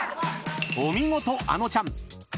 ［お見事あのちゃん！］